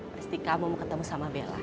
pasti kamu mau ketemu sama bella